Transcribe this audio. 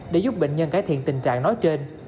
để giúp bệnh nhân cải thiện tình trạng nói trên